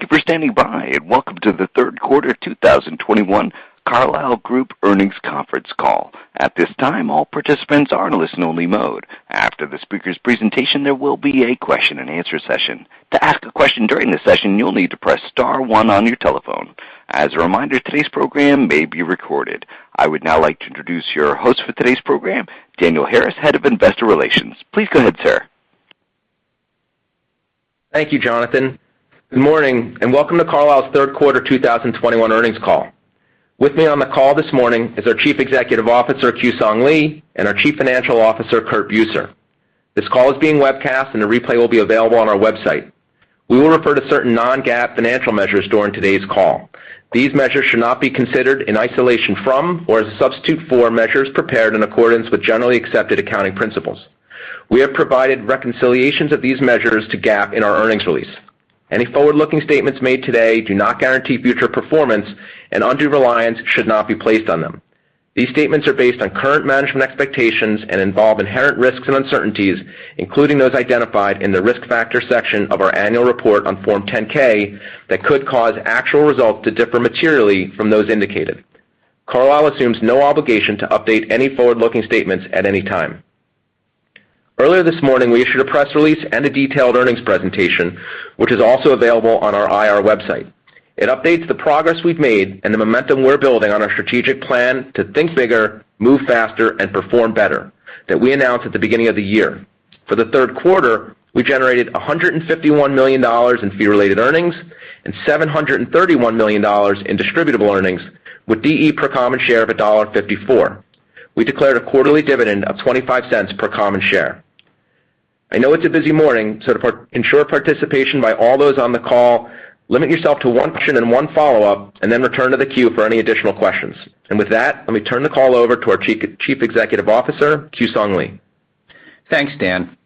Thank you for standing by, and welcome to the third quarter 2021 The Carlyle Group Earnings Conference Call. At this time, all participants are in listen-only mode. After the speaker's presentation, there will be a question-and-answer session. To ask a question during the session, you'll need to press star one on your telephone. As a reminder, today's program may be recorded. I would now like to introduce your host for today's program, Daniel Harris, Head of Investor Relations. Please go ahead, sir. Thank you, Jonathan. Good morning, and welcome to Carlyle's third quarter 2021 earnings call. With me on the call this morning is our Chief Executive Officer, Kewsong Lee, and our Chief Financial Officer, Curt Buser. This call is being webcast, and a replay will be available on our website. We will refer to certain non-GAAP financial measures during today's call. These measures should not be considered in isolation from or as a substitute for measures prepared in accordance with generally accepted accounting principles. We have provided reconciliations of these measures to GAAP in our earnings release. Any forward-looking statements made today do not guarantee future performance and undue reliance should not be placed on them. These statements are based on current management expectations and involve inherent risks and uncertainties, including those identified in the Risk Factors section of our annual report on Form 10-K, that could cause actual results to differ materially from those indicated. Carlyle assumes no obligation to update any forward-looking statements at any time. Earlier this morning, we issued a press release and a detailed earnings presentation, which is also available on our IR website. It updates the progress we've made and the momentum we're building on our strategic plan to think bigger, move faster, and perform better that we announced at the beginning of the year. For the third quarter, we generated $151 million in fee-related earnings and $731 million in distributable earnings, with DE per common share of $1.54. We declared a quarterly dividend of $0.25 per common share. I know it's a busy morning, so to ensure participation by all those on the call, limit yourself to one question and one follow-up, and then return to the queue for any additional questions. With that, let me turn the call over to our Chief Executive Officer, Kewsong Lee. Thanks, Dan.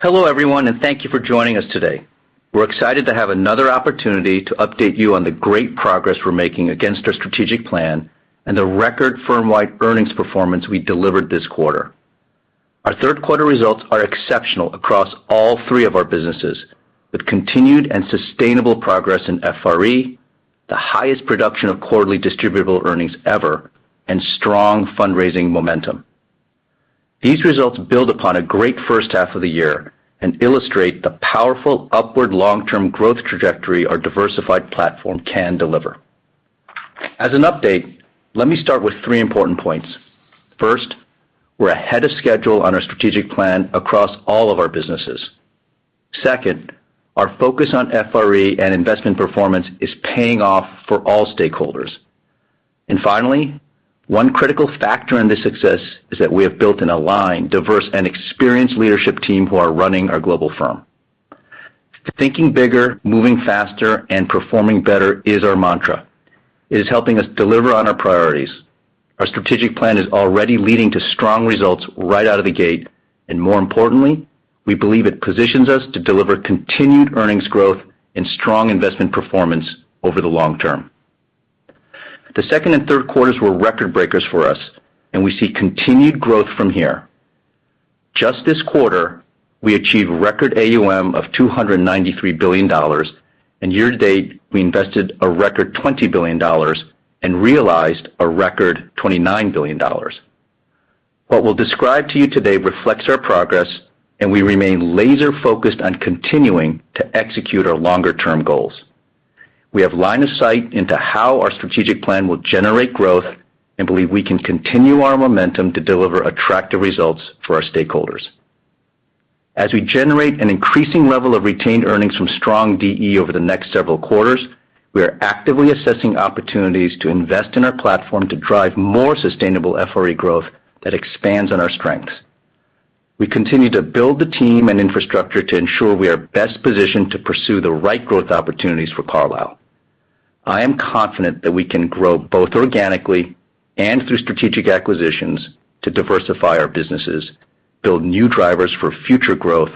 Hello, everyone, and thank you for joining us today. We're excited to have another opportunity to update you on the great progress we're making against our strategic plan and the record firmwide earnings performance we delivered this quarter. Our third quarter results are exceptional across all three of our businesses, with continued and sustainable progress in FRE, the highest production of quarterly distributable earnings ever, and strong fundraising momentum. These results build upon a great first half of the year and illustrate the powerful upward long-term growth trajectory our diversified platform can deliver. As an update, let me start with three important points. First, we're ahead of schedule on our strategic plan across all of our businesses. Second, our focus on FRE and investment performance is paying off for all stakeholders. Finally, one critical factor in this success is that we have built an aligned, diverse, and experienced leadership team who are running our global firm. Thinking bigger, moving faster, and performing better is our mantra. It is helping us deliver on our priorities. Our strategic plan is already leading to strong results right out of the gate, and more importantly, we believe it positions us to deliver continued earnings growth and strong investment performance over the long term. The second and third quarters were record breakers for us, and we see continued growth from here. Just this quarter, we achieved record AUM of $293 billion, and year to date, we invested a record $20 billion and realized a record $29 billion. What we'll describe to you today reflects our progress, and we remain laser-focused on continuing to execute our longer-term goals. We have line of sight into how our strategic plan will generate growth and believe we can continue our momentum to deliver attractive results for our stakeholders. As we generate an increasing level of retained earnings from strong DE over the next several quarters, we are actively assessing opportunities to invest in our platform to drive more sustainable FRE growth that expands on our strengths. We continue to build the team and infrastructure to ensure we are best positioned to pursue the right growth opportunities for Carlyle. I am confident that we can grow both organically and through strategic acquisitions to diversify our businesses, build new drivers for future growth,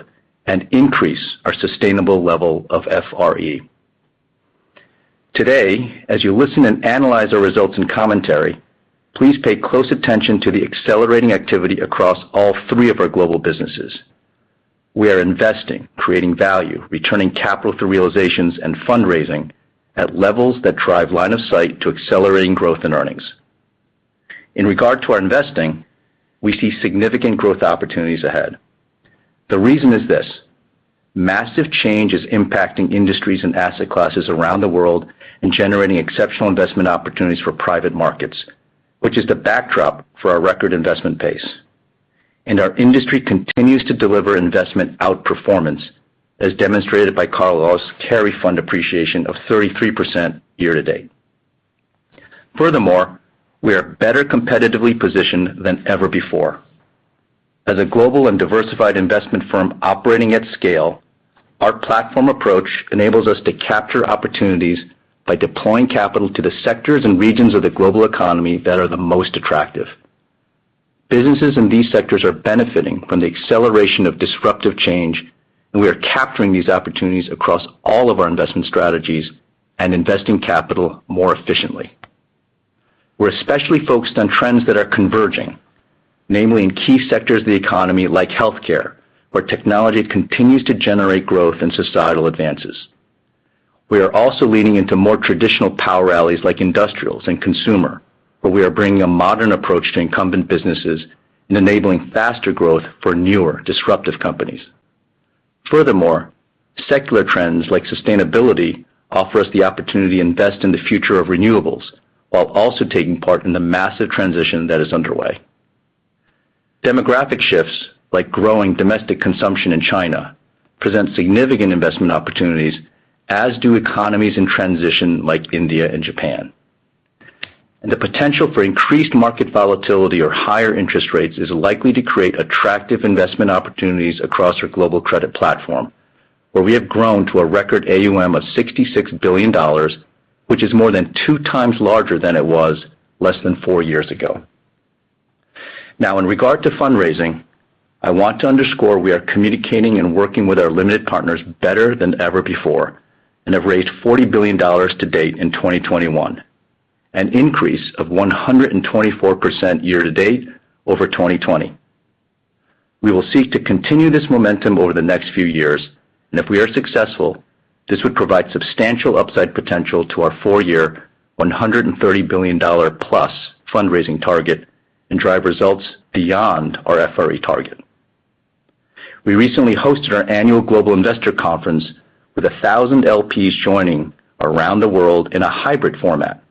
and increase our sustainable level of FRE. Today, as you listen and analyze our results and commentary, please pay close attention to the accelerating activity across all three of our global businesses. We are investing, creating value, returning capital through realizations and fundraising at levels that drive line of sight to accelerating growth in earnings. In regard to our investing, we see significant growth opportunities ahead. The reason is this. Massive change is impacting industries and asset classes around the world and generating exceptional investment opportunities for private markets, which is the backdrop for our record investment pace. Our industry continues to deliver investment outperformance, as demonstrated by Carlyle's carry fund appreciation of 33% year to date. Furthermore, we are better competitively positioned than ever before. As a global and diversified investment firm operating at scale, our platform approach enables us to capture opportunities by deploying capital to the sectors and regions of the global economy that are the most attractive. Businesses in these sectors are benefiting from the acceleration of disruptive change, and we are capturing these opportunities across all of our investment strategies and investing capital more efficiently. We're especially focused on trends that are converging, namely in key sectors of the economy like healthcare, where technology continues to generate growth and societal advances. We are also leaning into more traditional power alleys like industrials and consumer, where we are bringing a modern approach to incumbent businesses and enabling faster growth for newer disruptive companies. Furthermore, secular trends like sustainability offer us the opportunity to invest in the future of renewables while also taking part in the massive transition that is underway. Demographic shifts like growing domestic consumption in China present significant investment opportunities, as do economies in transition like India and Japan. The potential for increased market volatility or higher interest rates is likely to create attractive investment opportunities across our global credit platform, where we have grown to a record AUM of $66 billion, which is more than two times larger than it was less than four years ago. Now in regard to fundraising, I want to underscore we are communicating and working with our limited partners better than ever before and have raised $40 billion to date in 2021, an increase of 124% year to date over 2020. We will seek to continue this momentum over the next few years, and if we are successful, this would provide substantial upside potential to our four-year $130 billion+ fundraising target and drive results beyond our FRE target. We recently hosted our annual global investor conference with 1,000 LPs joining around the world in a hybrid format.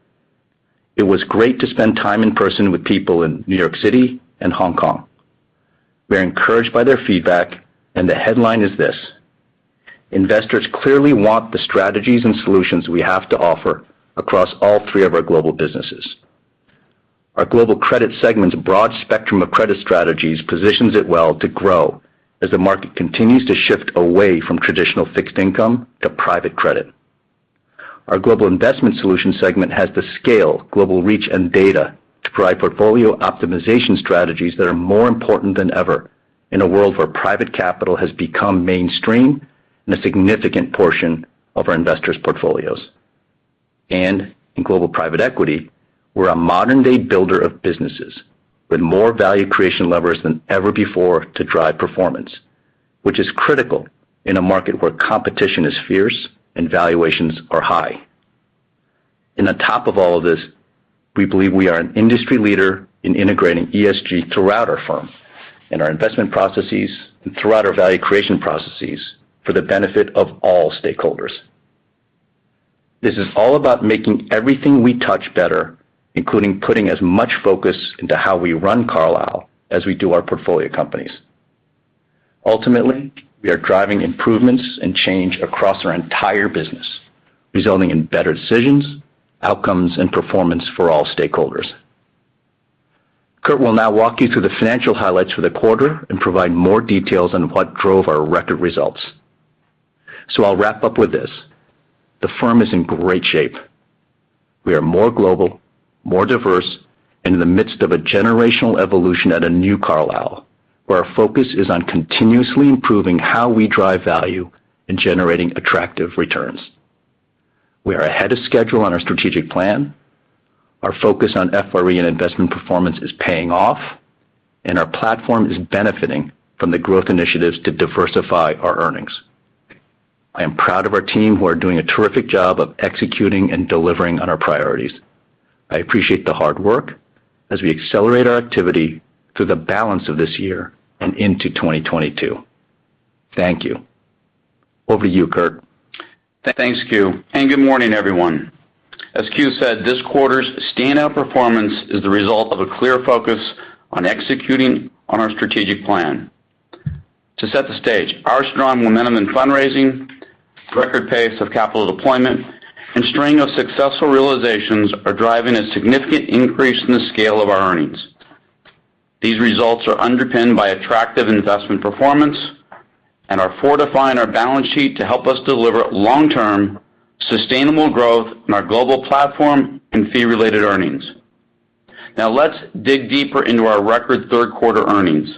It was great to spend time in person with people in New York City and Hong Kong. We are encouraged by their feedback, and the headline is this: investors clearly want the strategies and solutions we have to offer across all three of our global businesses. Our Global Credit segment's broad spectrum of credit strategies positions it well to grow as the market continues to shift away from traditional fixed income to private credit. Our Global Investment Solutions segment has the scale, global reach, and data to provide portfolio optimization strategies that are more important than ever in a world where private capital has become mainstream in a significant portion of our investors' portfolios. In Global Private Equity, we're a modern-day builder of businesses with more value creation levers than ever before to drive performance, which is critical in a market where competition is fierce and valuations are high. On top of all of this, we believe we are an industry leader in integrating ESG throughout our firm, in our investment processes, and throughout our value creation processes for the benefit of all stakeholders. This is all about making everything we touch better, including putting as much focus into how we run Carlyle as we do our portfolio companies. Ultimately, we are driving improvements and change across our entire business, resulting in better decisions, outcomes, and performance for all stakeholders. Curt will now walk you through the financial highlights for the quarter and provide more details on what drove our record results. I'll wrap up with this. The firm is in great shape. We are more global, more diverse, and in the midst of a generational evolution at a new Carlyle, where our focus is on continuously improving how we drive value in generating attractive returns. We are ahead of schedule on our strategic plan. Our focus on FRE and investment performance is paying off, and our platform is benefiting from the growth initiatives to diversify our earnings. I am proud of our team who are doing a terrific job of executing and delivering on our priorities. I appreciate the hard work as we accelerate our activity through the balance of this year and into 2022. Thank you. Over to you, Curt. Thanks, Kewsong. Good morning, everyone. As Kewsong said, this quarter's standout performance is the result of a clear focus on executing on our strategic plan. To set the stage, our strong momentum in fundraising, record pace of capital deployment, and string of successful realizations are driving a significant increase in the scale of our earnings. These results are underpinned by attractive investment performance and are fortifying our balance sheet to help us deliver long-term, sustainable growth in our global platform and fee-related earnings. Now let's dig deeper into our record third quarter earnings.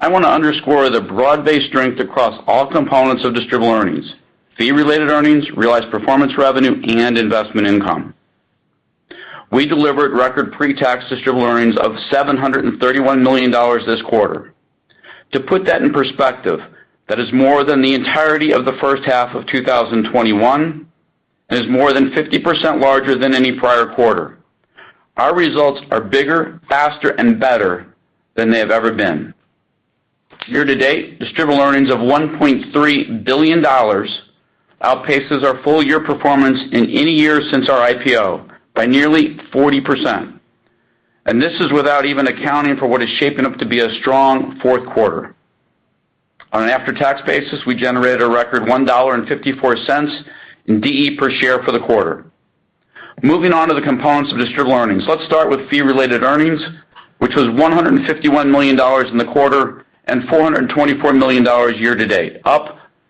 I want to underscore the broad-based strength across all components of distributable earnings. Fee-related earnings, realized performance revenue, and investment income. We delivered record pre-tax distributable earnings of $731 million this quarter. To put that in perspective, that is more than the entirety of the first half of 2021 and is more than 50% larger than any prior quarter. Our results are bigger, faster, and better than they have ever been. Year to date, distributable earnings of $1.3 billion outpaces our full-year performance in any year since our IPO by nearly 40%, and this is without even accounting for what is shaping up to be a strong fourth quarter. On an after-tax basis, we generated a record $1.54 in DE per share for the quarter. Moving on to the components of distributable earnings. Let's start with fee-related earnings, which was $151 million in the quarter and $424 million year to date,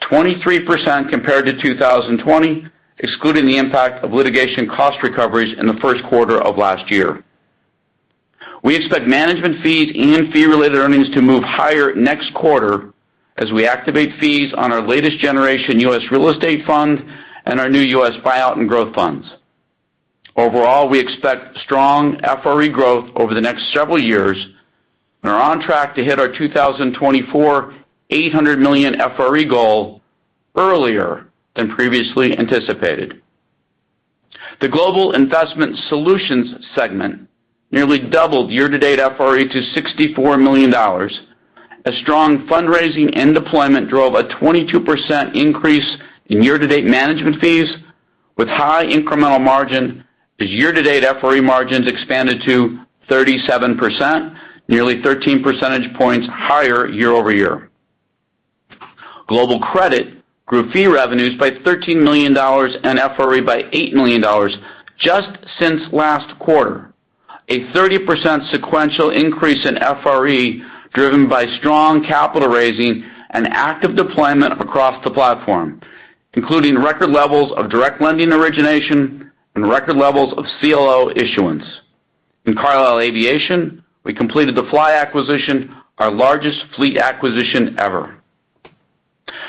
up 23% compared to 2020, excluding the impact of litigation cost recoveries in the first quarter of last year. We expect management fees and fee-related earnings to move higher next quarter as we activate fees on our latest generation U.S. Real Estate Fund and our new U.S. Buyout and Growth Funds. Overall, we expect strong FRE growth over the next several years and are on track to hit our 2024 $800 million FRE goal earlier than previously anticipated. The Global Investment Solutions segment nearly doubled year-to-date FRE to $64 million. A strong fundraising and deployment drove a 22% increase in year-to-date management fees with high incremental margin. The year-to-date FRE margins expanded to 37%, nearly 13 percentage points higher year-over-year. Global Credit grew fee revenues by $13 million and FRE by $8 million just since last quarter. A 30% sequential increase in FRE, driven by strong capital raising and active deployment across the platform, including record levels of direct lending origination and record levels of CLO issuance. In Carlyle Aviation, we completed the Fly Leasing acquisition, our largest fleet acquisition ever.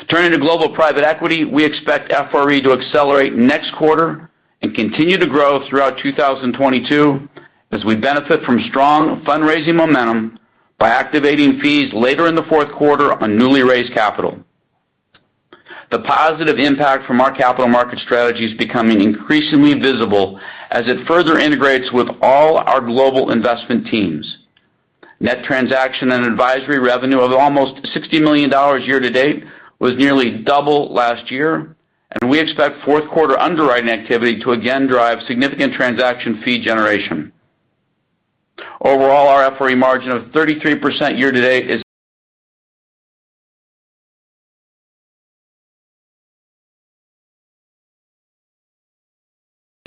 Turning to Global Private Equity, we expect FRE to accelerate next quarter and continue to grow throughout 2022 as we benefit from strong fundraising momentum by activating fees later in the fourth quarter on newly raised capital. The positive impact from our capital market strategy is becoming increasingly visible as it further integrates with all our global investment teams. Net transaction and advisory revenue of almost $60 million year to date was nearly double last year, and we expect fourth quarter underwriting activity to again drive significant transaction fee generation. Overall, our FRE margin of 33% year to date is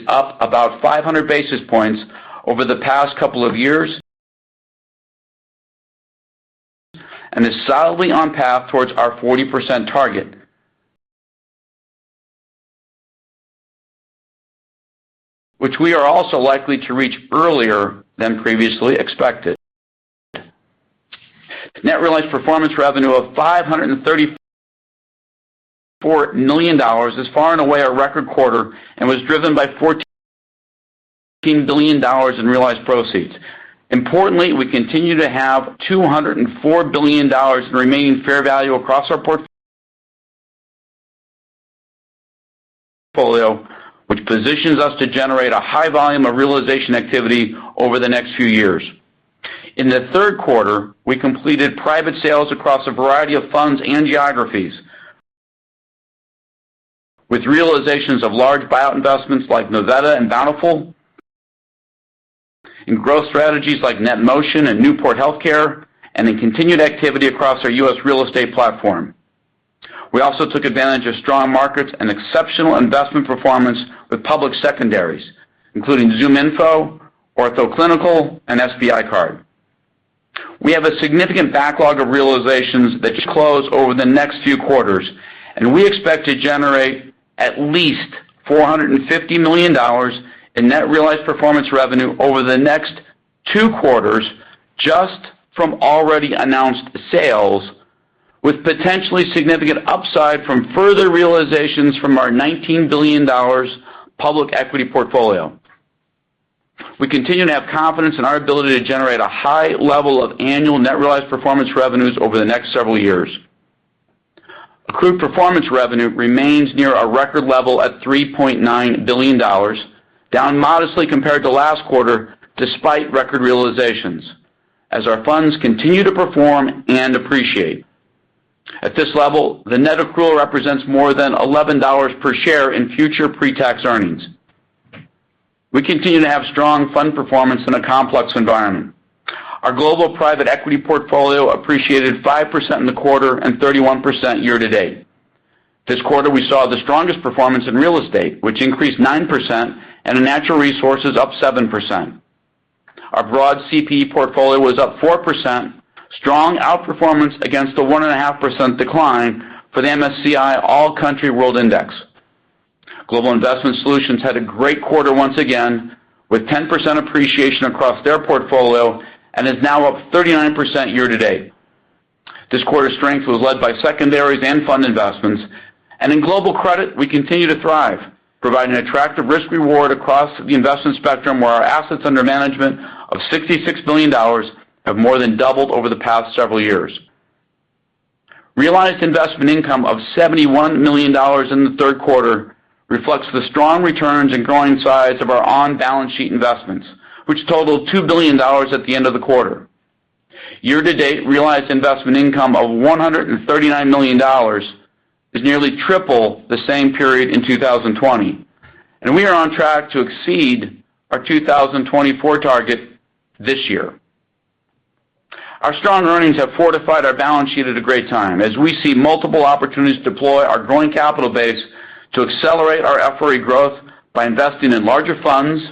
up about 500 basis points over the past couple of years and is solidly on path towards our 40% target, which we are also likely to reach earlier than previously expected. Net realized performance revenue of $534 million is far and away our record quarter and was driven by $14 billion in realized proceeds. Importantly, we continue to have $204 billion in remaining fair value across our portfolio, which positions us to generate a high volume of realization activity over the next few years. In the third quarter, we completed private sales across a variety of funds and geographies with realizations of large buyout investments like Novetta and Bountiful, in growth strategies like NetMotion and Newport Healthcare, and in continued activity across our U.S. real estate platform. We also took advantage of strong markets and exceptional investment performance with public secondaries, including ZoomInfo, Ortho Clinical, and SBI Card. We have a significant backlog of realizations that should close over the next few quarters, and we expect to generate at least $450 million in net realized performance revenue over the next two quarters just from already announced sales, with potentially significant upside from further realizations from our $19 billion public equity portfolio. We continue to have confidence in our ability to generate a high level of annual net realized performance revenues over the next several years. Accrued performance revenue remains near our record level at $3.9 billion, down modestly compared to last quarter despite record realizations as our funds continue to perform and appreciate. At this level, the net accrual represents more than $11 per share in future pre-tax earnings. We continue to have strong fund performance in a complex environment. Our Global Private Equity portfolio appreciated 5% in the quarter and 31% year to date. This quarter, we saw the strongest performance in real estate, which increased 9% and in natural resources up 7%. Our broad CPE portfolio was up 4%. Strong outperformance against the 1.5% decline for the MSCI All Country World Index. Global Investment Solutions had a great quarter once again with 10% appreciation across their portfolio and is now up 39% year to date. This quarter's strength was led by secondaries and fund investments. In Global Credit, we continue to thrive, providing attractive risk reward across the investment spectrum where our assets under management of $66 billion have more than doubled over the past several years. Realized investment income of $71 million in the third quarter reflects the strong returns and growing size of our on-balance sheet investments, which totaled $2 billion at the end of the quarter. Year to date, realized investment income of $139 million is nearly triple the same period in 2020. We are on track to exceed our 2024 target this year. Our strong earnings have fortified our balance sheet at a great time as we see multiple opportunities to deploy our growing capital base to accelerate our FRE growth by investing in larger funds,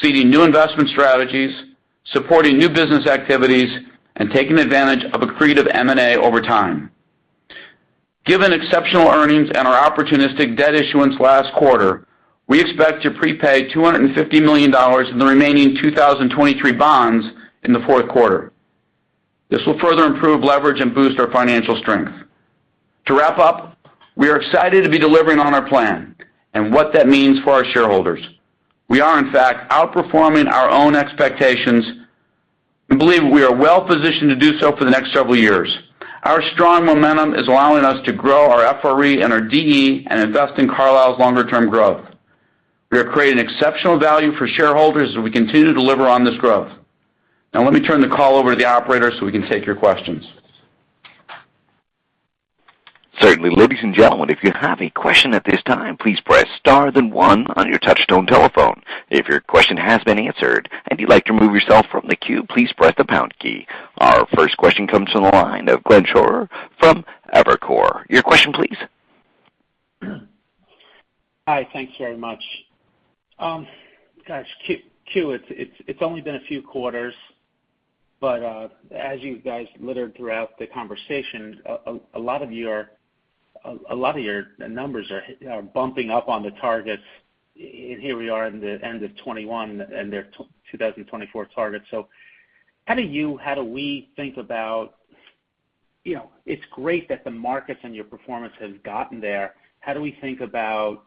seeding new investment strategies, supporting new business activities, and taking advantage of accretive M&A over time. Given exceptional earnings and our opportunistic debt issuance last quarter, we expect to prepay $250 million in the remaining 2023 bonds in the fourth quarter. This will further improve leverage and boost our financial strength. To wrap up, we are excited to be delivering on our plan and what that means for our shareholders. We are in fact outperforming our own expectations and believe we are well-positioned to do so for the next several years. Our strong momentum is allowing us to grow our FRE and our DE and invest in Carlyle's longer-term growth. We are creating exceptional value for shareholders as we continue to deliver on this growth. Now let me turn the call over to the operator so we can take your questions. Certainly. Ladies and gentlemen, if you have a question at this time, please press star then one on your touchtone telephone. If your question has been answered and you'd like to remove yourself from the queue, please press the pound key. Our first question comes from the line of Glenn Schorr from Evercore. Your question, please. Hi, thanks very much. Guys, Q, it's only been a few quarters, but as you guys peppered throughout the conversation, a lot of your numbers are bumping up against the targets, and here we are in the end of 2021, and they're 2024 targets. How do we think about, you know, it's great that the markets and your performance has gotten there. How do we think about,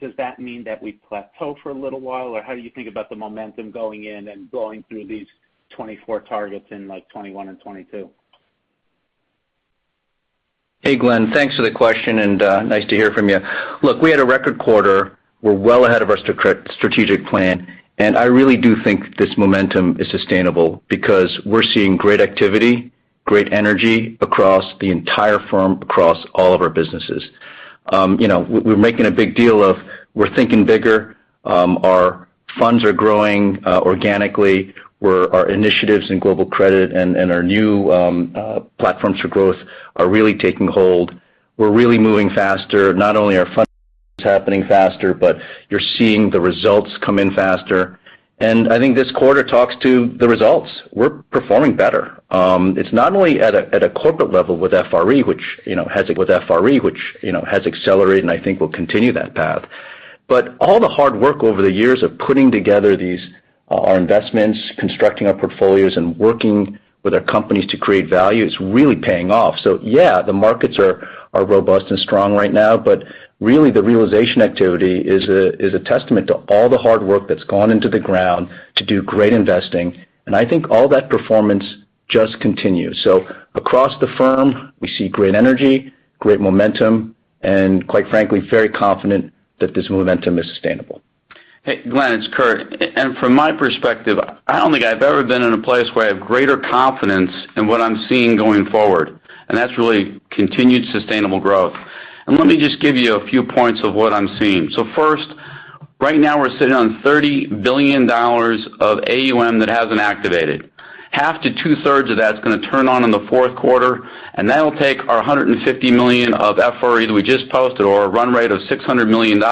does that mean that we plateau for a little while? Or how do you think about the momentum going in and going through these 2024 targets in like 2021 and 2022? Hey, Glenn. Thanks for the question and nice to hear from you. Look, we had a record quarter. We're well ahead of our strategic plan, and I really do think this momentum is sustainable because we're seeing great activity, great energy across the entire firm, across all of our businesses. You know, we're making a big deal of we're thinking bigger, our funds are growing organically, our initiatives in Global Credit and our new platforms for growth are really taking hold. We're really moving faster, not only are funds happening faster, but you're seeing the results come in faster. I think this quarter talks to the results. We're performing better. It's not only at a corporate level with FRE, which has accelerated, and I think we'll continue that path. All the hard work over the years of putting together these, our investments, constructing our portfolios, and working with our companies to create value, it's really paying off. Yeah, the markets are robust and strong right now, but really the realization activity is a testament to all the hard work that's gone into the ground to do great investing. I think all that performance just continues. Across the firm, we see great energy, great momentum, and quite frankly, very confident that this momentum is sustainable. Hey, Glenn, it's Curt. From my perspective, I don't think I've ever been in a place where I have greater confidence in what I'm seeing going forward, and that's really continued sustainable growth. Let me just give you a few points of what I'm seeing. First, right now we're sitting on $30 billion of AUM that hasn't activated. Half to two-thirds of that's gonna turn on in the fourth quarter, and that'll take our $150 million of FRE that we just posted or a run rate of $600 million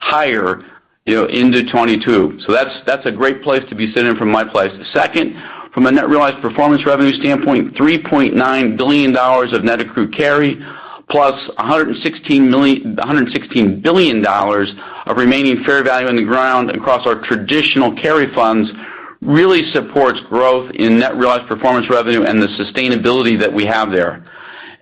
higher, you know, into 2022. That's a great place to be sitting from my place. Second, from a net realized performance revenue standpoint, $3.9 billion of net accrued carry plus $116 billion of remaining fair value in the ground across our traditional carry funds really supports growth in net realized performance revenue and the sustainability that we have there.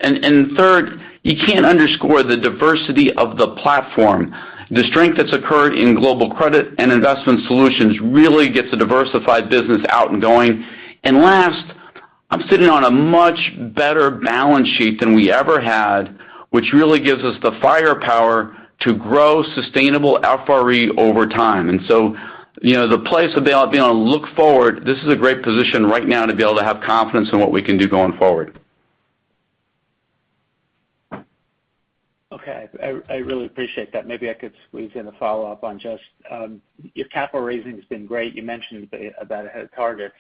Third, you can't underscore the diversity of the platform. The strength that's occurred in Global Credit and Investment Solutions really gets a diversified business out and going. Last, I'm sitting on a much better balance sheet than we ever had, which really gives us the firepower to grow sustainable FRE over time. You know, the place to be on a look forward, this is a great position right now to be able to have confidence in what we can do going forward. Okay. I really appreciate that. Maybe I could squeeze in a follow-up on just your capital raising has been great. You mentioned a bit about being ahead of targets.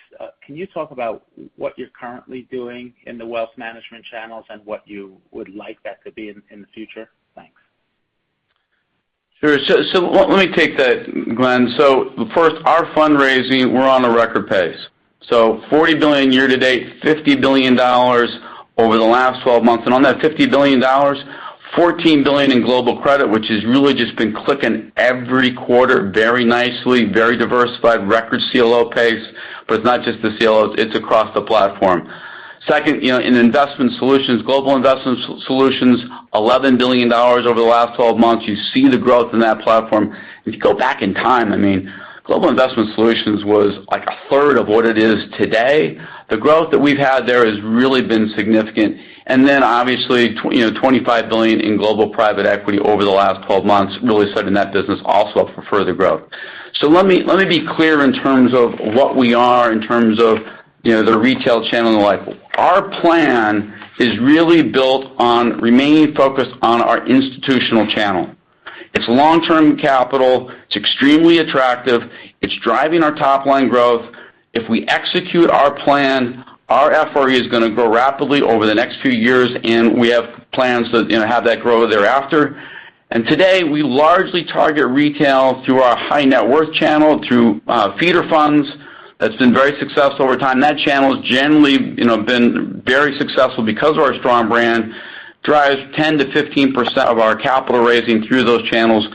Can you talk about what you're currently doing in the wealth management channels and what you would like that to be in the future? Thanks. Sure. Let me take that, Glenn. First, our fundraising, we're on a record pace. $40 billion year to date, $50 billion over the last 12 months. On that $50 billion, $14 billion in Global Credit, which has really just been clicking every quarter very nicely, very diversified record CLO pace, but it's not just the CLOs, it's across the platform. Second, you know, in investment solutions, Global Investment Solutions, $11 billion over the last 12 months. You see the growth in that platform. If you go back in time, I mean, Global Investment Solutions was like a third of what it is today. The growth that we've had there has really been significant. Then obviously, you know, $25 billion in Global Private Equity over the last 12 months really setting that business also up for further growth. Let me be clear in terms of the retail channel and the like. Our plan is really built on remaining focused on our institutional channel. It's long-term capital. It's extremely attractive. It's driving our top-line growth. If we execute our plan, our FRE is gonna grow rapidly over the next few years, and we have plans to, you know, have that grow thereafter. Today, we largely target retail through our high net worth channel, feeder funds. That's been very successful over time. That channel has generally, you know, been very successful because of our strong brand, drives 10%-15% of our capital raising through those channels.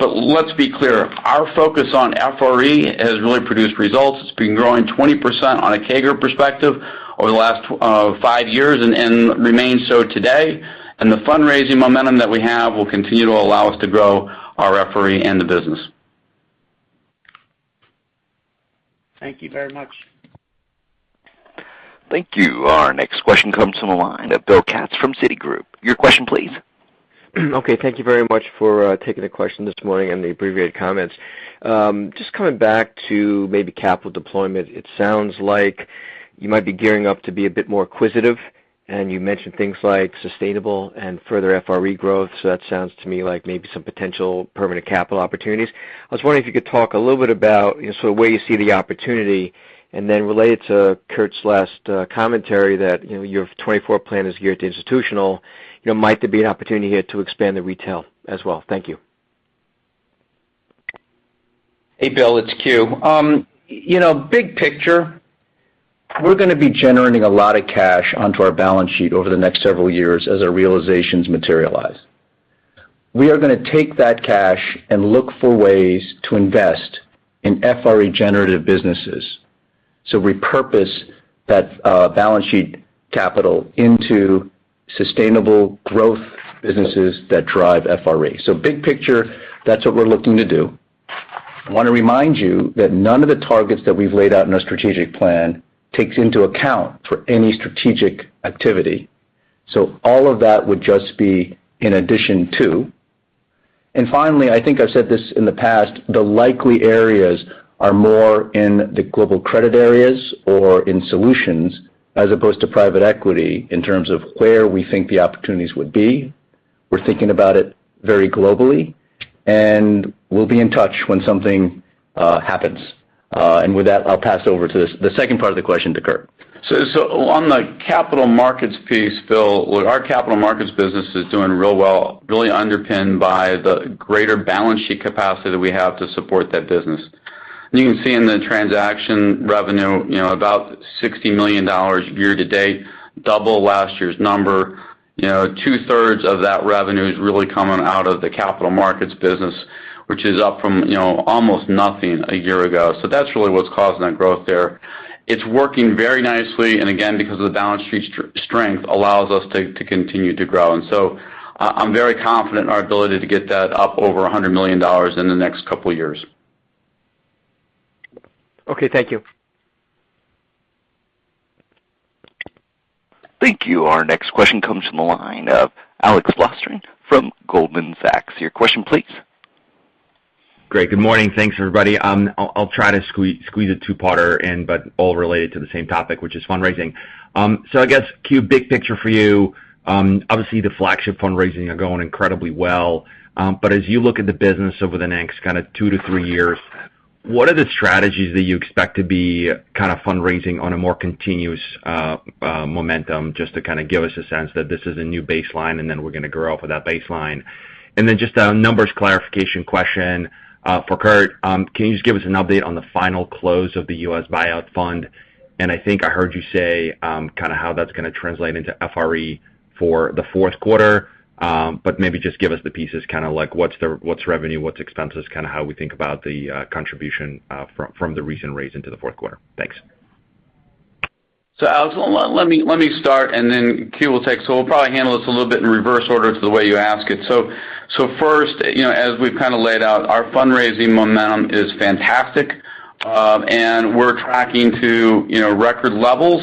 But let's be clear, our focus on FRE has really produced results. It's been growing 20% on a CAGR perspective over the last five years and remains so today. The fundraising momentum that we have will continue to allow us to grow our FRE and the business. Thank you very much. Thank you. Our next question comes from the line of Bill Katz from Citigroup. Your question please. Okay. Thank you very much for taking the question this morning and the abbreviated comments. Just coming back to maybe capital deployment, it sounds like you might be gearing up to be a bit more acquisitive, and you mentioned things like sustainable and further FRE growth. That sounds to me like maybe some potential permanent capital opportunities. I was wondering if you could talk a little bit about, you know, so where you see the opportunity, and then related to Curt's last commentary that, you know, your 2024 plan is geared to institutional, you know, might there be an opportunity here to expand the retail as well? Thank you. Hey, Bill, it's Kew. You know, big picture, we're gonna be generating a lot of cash onto our balance sheet over the next several years as our realizations materialize. We are gonna take that cash and look for ways to invest in FRE generative businesses. Repurpose that balance sheet capital into sustainable growth businesses that drive FRE. Big picture, that's what we're looking to do. I wanna remind you that none of the targets that we've laid out in our strategic plan takes into account for any strategic activity. All of that would just be in addition to. Finally, I think I've said this in the past, the likely areas are more in the Global Credit areas or in Solutions as opposed to Private Equity in terms of where we think the opportunities would be. We're thinking about it very globally, and we'll be in touch when something happens. With that, I'll pass over to the second part of the question to Curt. On the capital markets piece, Bill, well, our capital markets business is doing real well, really underpinned by the greater balance sheet capacity we have to support that business. You can see in the transaction revenue, you know, about $60 million year to date, double last year's number. You know, two-thirds of that revenue is really coming out of the capital markets business, which is up from, you know, almost nothing a year ago. That's really what's causing that growth there. It's working very nicely, and again, because of the balance sheet strength, allows us to continue to grow. I'm very confident in our ability to get that up over $100 million in the next couple years. Okay, thank you. Thank you. Our next question comes from the line of Alex Blostein from Goldman Sachs. Your question please. Great. Good morning. Thanks, everybody. I'll try to squeeze a two-parter in, but all related to the same topic, which is fundraising. I guess, Kewsong Lee, big picture for you, obviously, the flagship fundraising are going incredibly well. But as you look at the business over the next kinda two to three years, what are the strategies that you expect to be kinda fundraising on a more continuous momentum, just to kinda give us a sense that this is a new baseline and then we're gonna grow up with that baseline? And then just a numbers clarification question for Curt. Can you just give us an update on the final close of the U.S. buyout fund? And I think I heard you say, kinda how that's gonna translate into FRE for the fourth quarter. Maybe just give us the pieces, kinda like what's revenue, what's expenses, kinda how we think about the contribution from the recent raise into the fourth quarter. Thanks. Alex, well, let me start, and then Kewsong will take. We'll probably handle this a little bit in reverse order to the way you ask it. First, you know, as we've kinda laid out, our fundraising momentum is fantastic, and we're tracking to, you know, record levels,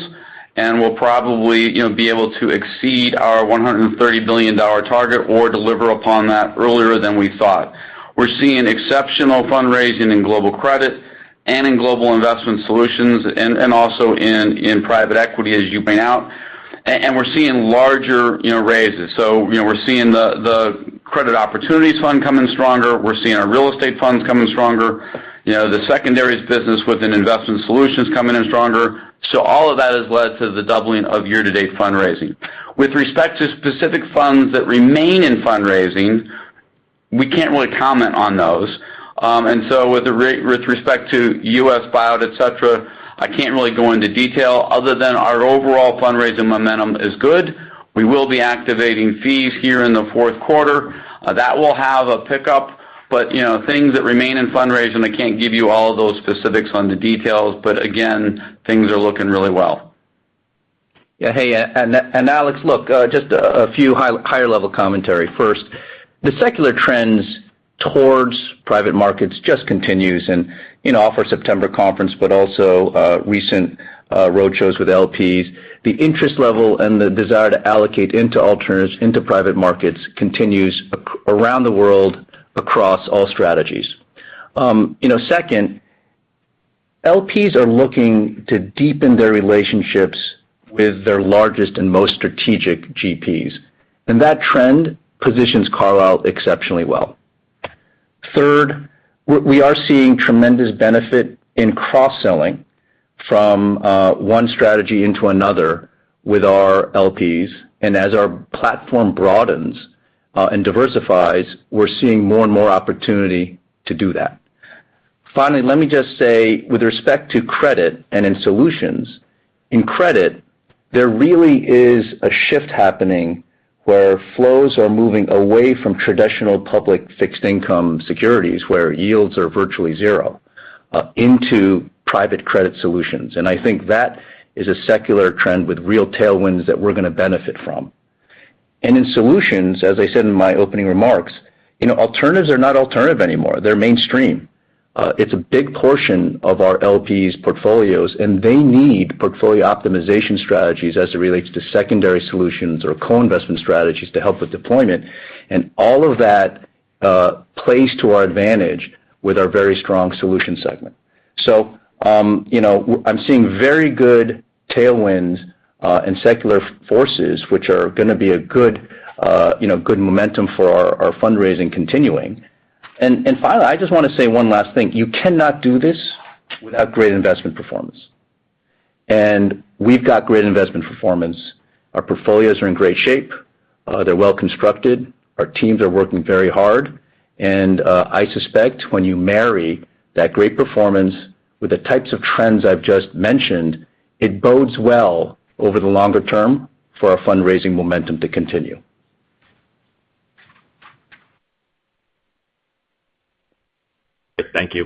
and we'll probably, you know, be able to exceed our $130 billion target or deliver upon that earlier than we thought. We're seeing exceptional fundraising in Global Credit and in Global Investment Solutions and also in private equity, as you point out. And we're seeing larger, you know, raises. You know, we're seeing the credit opportunities fund coming stronger. We're seeing our real estate funds coming stronger. You know, the secondaries business within investment solutions coming in stronger. All of that has led to the doubling of year-to-date fundraising. With respect to specific funds that remain in fundraising, we can't really comment on those. With respect to U.S. buyout, et cetera, I can't really go into detail other than our overall fundraising momentum is good. We will be activating fees here in the fourth quarter. That will have a pickup. You know, things that remain in fundraising, I can't give you all of those specifics on the details. Again, things are looking really well. Hey, and Alex, look, just a few higher level commentary. First, the secular trends towards private markets just continues and, you know, our September conference, but also recent roadshows with LPs. The interest level and the desire to allocate into alternatives, into private markets continues around the world across all strategies. You know, second, LPs are looking to deepen their relationships with their largest and most strategic GPs, and that trend positions Carlyle exceptionally well. Third, we are seeing tremendous benefit in cross-selling from one strategy into another with our LPs. As our platform broadens and diversifies, we're seeing more and more opportunity to do that. Finally, let me just say, with respect to credit and in solutions, in credit, there really is a shift happening where flows are moving away from traditional public fixed income securities where yields are virtually zero into private credit solutions. I think that is a secular trend with real tailwinds that we're gonna benefit from. In solutions, as I said in my opening remarks, you know, alternatives are not alternative anymore. They're mainstream. It's a big portion of our LPs portfolios, and they need portfolio optimization strategies as it relates to secondary solutions or co-investment strategies to help with deployment. All of that plays to our advantage with our very strong Solutions segment. You know, I'm seeing very good tailwinds and secular forces, which are gonna be a good, you know, good momentum for our fundraising continuing. Finally, I just wanna say one last thing. You cannot do this without great investment performance. We've got great investment performance. Our portfolios are in great shape. They're well-constructed. Our teams are working very hard. I suspect when you marry that great performance with the types of trends I've just mentioned, it bodes well over the longer term for our fundraising momentum to continue. Thank you.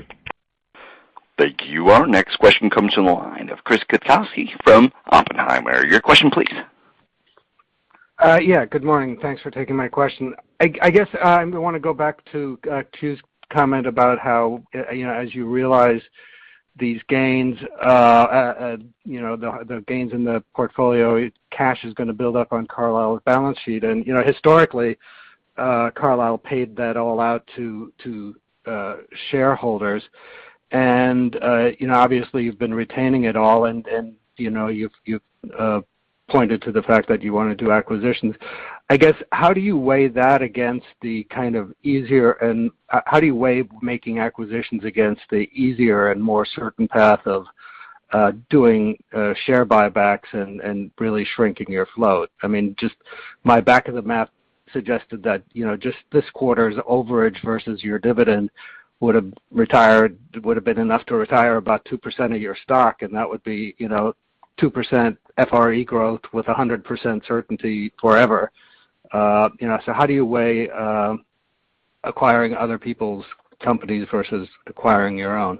Thank you. Our next question comes from the line of Chris Kotowski from Oppenheimer. Your question please. Yeah, good morning. Thanks for taking my question. I guess I wanna go back to comment about how you know, as you realize these gains, you know, the gains in the portfolio, cash is gonna build up on Carlyle's balance sheet. You know, historically, Carlyle paid that all out to shareholders. You know, obviously, you've been retaining it all and you know, you've pointed to the fact that you wanna do acquisitions. I guess, how do you weigh making acquisitions against the easier and more certain path of doing share buybacks and really shrinking your float? I mean, just my back-of-the-envelope math suggested that, you know, just this quarter's overage versus your dividend would have been enough to retire about 2% of your stock, and that would be, you know, 2% FRE growth with 100% certainty forever. You know, how do you weigh acquiring other people's companies versus acquiring your own?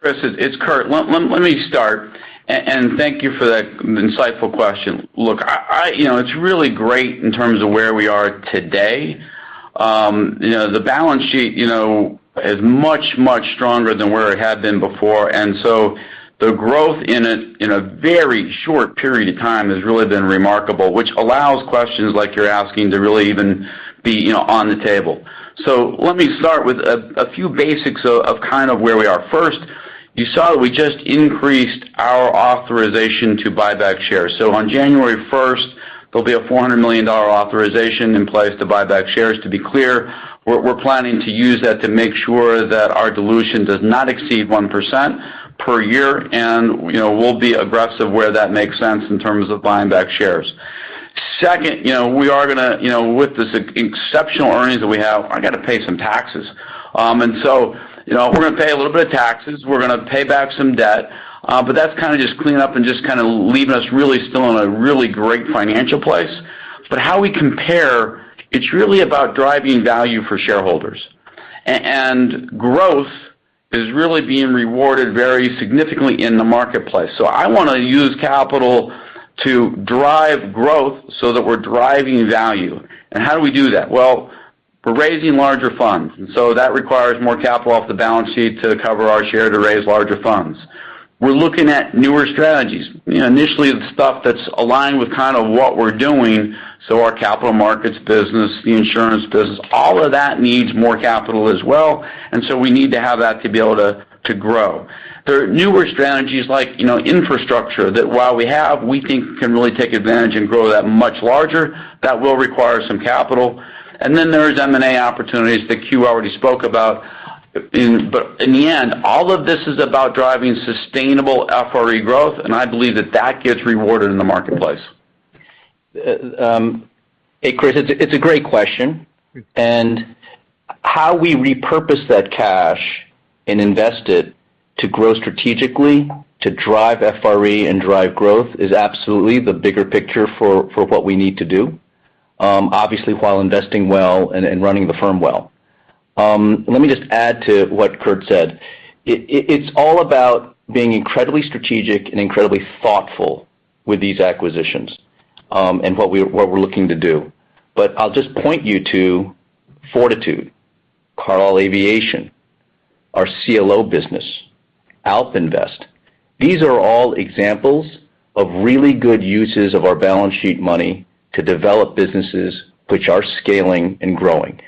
Chris, it's Curt. Let me start. Thank you for that insightful question. Look, you know, it's really great in terms of where we are today. You know, the balance sheet is much stronger than where it had been before. The growth in a very short period of time has really been remarkable, which allows questions like you're asking to really even be on the table. Let me start with a few basics of kind of where we are. First, you saw that we just increased our authorization to buy back shares. On January 1st, there'll be a $400 million authorization in place to buy back shares. To be clear, we're planning to use that to make sure that our dilution does not exceed 1% per year, and, you know, we'll be aggressive where that makes sense in terms of buying back shares. Second, you know, we are gonna, you know, with this exceptional earnings that we have, I gotta pay some taxes. You know, we're gonna pay a little bit of taxes. We're gonna pay back some debt, but that's kinda just clean up and just kinda leaving us really still in a really great financial place. How we compare, it's really about driving value for shareholders. Growth is really being rewarded very significantly in the marketplace. I wanna use capital to drive growth so that we're driving value. How do we do that? Well, we're raising larger funds, and so that requires more capital off the balance sheet to cover our share to raise larger funds. We're looking at newer strategies. You know, initially, it's stuff that's aligned with kind of what we're doing, so our capital markets business, the insurance business, all of that needs more capital as well, and so we need to have that to be able to grow. There are newer strategies like, you know, infrastructure that while we have, we think can really take advantage and grow that much larger. That will require some capital. Then there's M&A opportunities that Kewsong already spoke about in. In the end, all of this is about driving sustainable FRE growth, and I believe that that gets rewarded in the marketplace. Hey, Chris. It's a great question. How we repurpose that cash and invest it to grow strategically, to drive FRE and drive growth is absolutely the bigger picture for what we need to do, obviously, while investing well and running the firm well. Let me just add to what Curt said. It's all about being incredibly strategic and incredibly thoughtful with these acquisitions, and what we're looking to do. I'll just point you to Fortitude, Carlyle Aviation, our CLO business, AlpInvest. These are all examples of really good uses of our balance sheet money to develop businesses which are scaling and growing.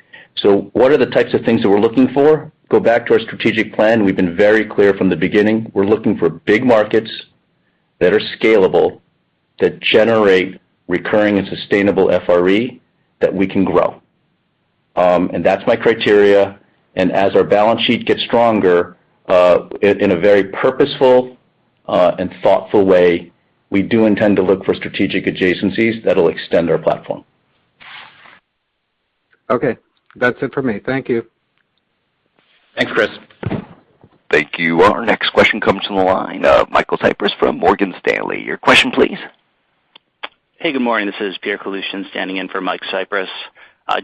What are the types of things that we're looking for? Go back to our strategic plan. We've been very clear from the beginning. We're looking for big markets. That are scalable, that generate recurring and sustainable FRE that we can grow. That's my criteria. As our balance sheet gets stronger, in a very purposeful and thoughtful way, we do intend to look for strategic adjacencies that'll extend our platform. Okay. That's it for me. Thank you. Thanks, Chris. Thank you. Our next question comes from the line of Michael Cyprys from Morgan Stanley. Your question please. Hey, good morning. This is Pierre Kaloutian standing in for Mike Cyprys.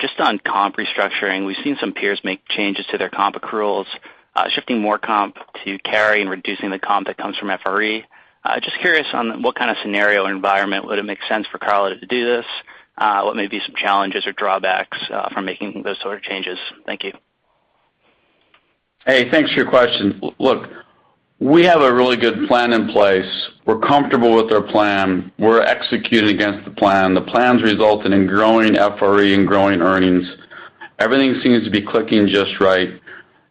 Just on comp restructuring, we've seen some peers make changes to their comp accruals, shifting more comp to carry and reducing the comp that comes from FRE. Just curious on what kind of scenario environment would it make sense for Carlyle to do this? What may be some challenges or drawbacks, from making those sort of changes? Thank you. Hey, thanks for your question. Look, we have a really good plan in place. We're comfortable with our plan. We're executing against the plan. The plan's resulting in growing FRE and growing earnings. Everything seems to be clicking just right.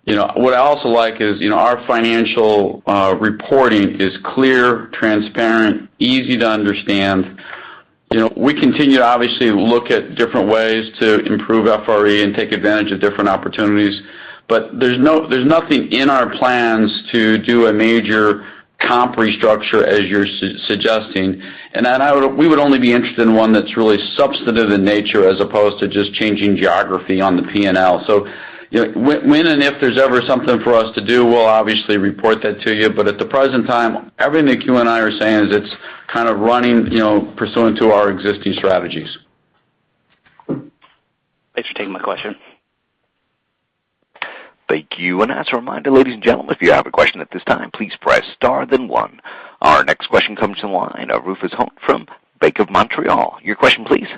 You know, what I also like is, you know, our financial reporting is clear, transparent, easy to understand. You know, we continue to obviously look at different ways to improve FRE and take advantage of different opportunities. There's nothing in our plans to do a major comp restructure as you're suggesting. We would only be interested in one that's really substantive in nature as opposed to just changing geography on the P&L. You know, when and if there's ever something for us to do, we'll obviously report that to you. At the present time, everything that you and I are saying is it's kind of running, you know, pursuant to our existing strategies. Thanks for taking my question. Thank you. As a reminder, ladies and gentlemen, if you have a question at this time, please press star then one. Our next question comes from the line of James Fotheringham from BMO Capital Markets. Your question please.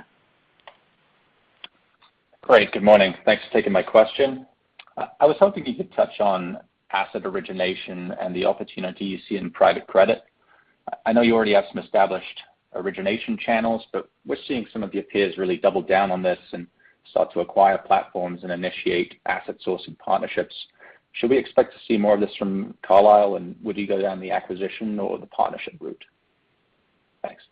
Great. Good morning. Thanks for taking my question. I was hoping you could touch on asset origination and the opportunity you see in private credit. I know you already have some established origination channels, but we're seeing some of the peers really double down on this and start to acquire platforms and initiate asset sourcing partnerships. Should we expect to see more of this from Carlyle, and would you go down the acquisition or the partnership route? Thanks.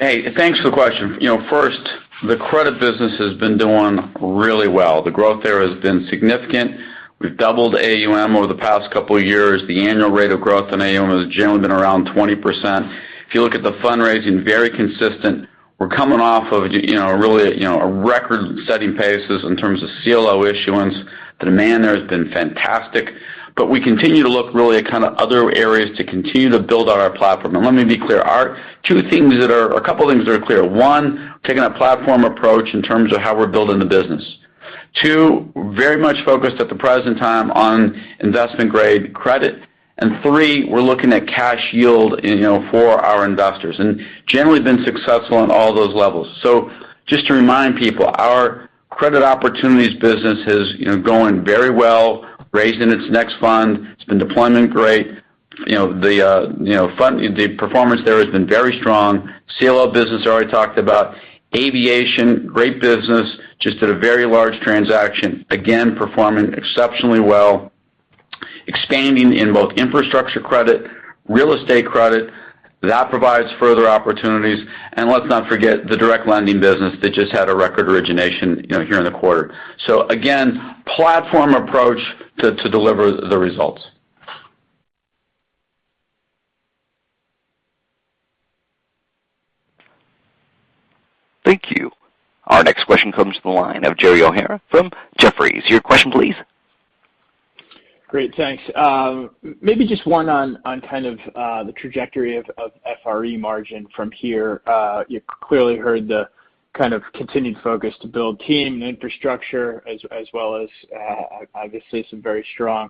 Hey, thanks for the question. You know, first, the credit business has been doing really well. The growth there has been significant. We've doubled AUM over the past couple of years. The annual rate of growth in AUM has generally been around 20%. If you look at the fundraising, very consistent. We're coming off of, you know, really, you know, a record-setting paces in terms of CLO issuance. The demand there has been fantastic. We continue to look really at kind of other areas to continue to build on our platform. Let me be clear, a couple of things that are clear. One, taking a platform approach in terms of how we're building the business. Two, very much focused at the present time on investment-grade credit. Three, we're looking at cash yield, you know, for our investors. Generally been successful on all those levels. Just to remind people, our credit opportunities business is, you know, going very well, raising its next fund. It's been deployment great. You know, the performance there has been very strong. CLO business, I already talked about. Aviation, great business. Just did a very large transaction. Again, performing exceptionally well, expanding in both infrastructure credit, real estate credit. That provides further opportunities. Let's not forget the direct lending business that just had a record origination, you know, here in the quarter. Again, platform approach to deliver the results. Thank you. Our next question comes from the line of Gerald O'Hara from Jefferies. Your question, please. Great, thanks. Maybe just one on kind of the trajectory of FRE margin from here. You clearly heard the kind of continued focus to build team and infrastructure as well as obviously some very strong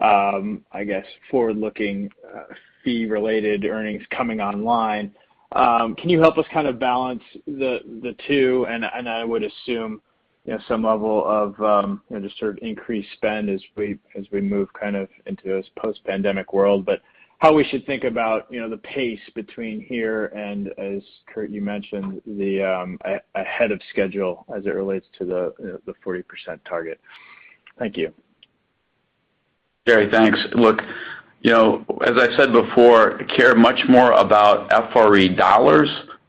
I guess forward-looking fee-related earnings coming online. Can you help us kind of balance the two and I would assume you know some level of you know just sort of increased spend as we move kind of into this post-pandemic world, but how we should think about you know the pace between here and as Kurt you mentioned the ahead of schedule as it relates to the 40% target. Thank you. Gerald, thanks. Look, you know, as I said before, I care much more about FRE dollars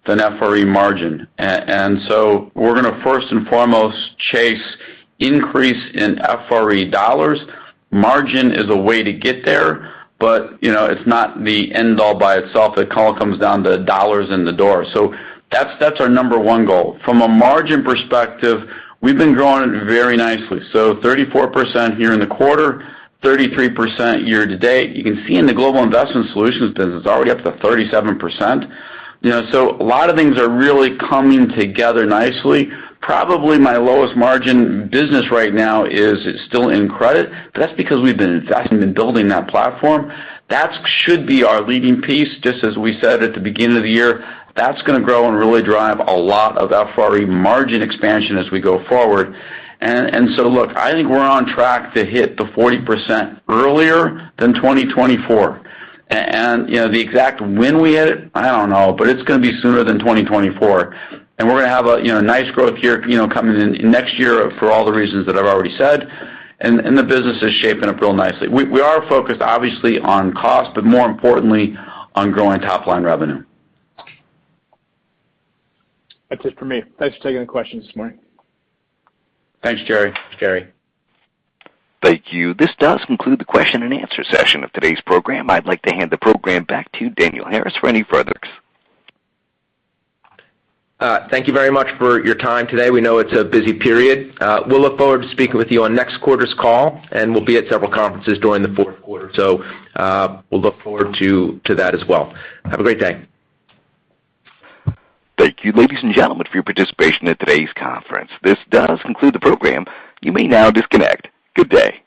than FRE margin. And so we're gonna first and foremost chase increase in FRE dollars. Margin is a way to get there, but, you know, it's not the end all by itself. It all comes down to dollars in the door. That's our number one goal. From a margin perspective, we've been growing very nicely. 34% here in the quarter, 33% year to date. You can see in the Global Investment Solutions business, already up to 37%. You know, a lot of things are really coming together nicely. Probably my lowest margin business right now is still in credit, but that's because we've been investing and building that platform. That should be our leading piece, just as we said at the beginning of the year. That's gonna grow and really drive a lot of our FRE margin expansion as we go forward. Look, I think we're on track to hit the 40% earlier than 2024. You know, the exact when we hit it, I don't know, but it's gonna be sooner than 2024. We're gonna have a, you know, nice growth year, you know, coming in next year for all the reasons that I've already said. The business is shaping up real nicely. We are focused obviously on cost, but more importantly on growing top line revenue. That's it for me. Thanks for taking the questions this morning. Thanks, Gerald. Thank you. This does conclude the question and answer session of today's program. I'd like to hand the program back to Daniel Harris for any further. Thank you very much for your time today. We know it's a busy period. We'll look forward to speaking with you on next quarter's call, and we'll be at several conferences during the fourth quarter. We'll look forward to that as well. Have a great day. Thank you, ladies and gentlemen, for your participation in today's conference. This does conclude the program. You may now disconnect. Good day.